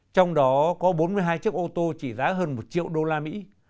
trong đó có bốn mươi hai chiếc ô tô chỉ giá hơn một triệu đô la mỹ